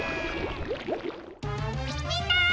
みんな！